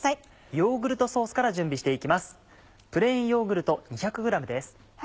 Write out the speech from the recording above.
ヨーグルトソースから準備して行きます。